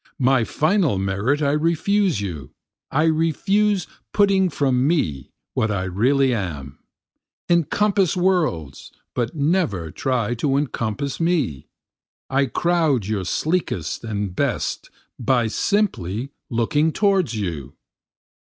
My final merit I refuse you, I refuse putting from me what I really am, Encompass worlds, but never try to encompass me, I crowd your sleekest and best by simply looking toward you.